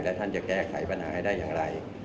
แล้วท่านจะแก้ไขปัญหาให้ได้อย่างไร